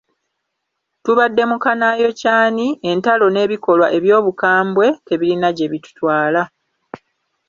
Tubadde mu kanaayokyani, entalo n’ebikolwa eby’obukambwe, tebirina gye bitutwala.